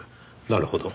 なるほど。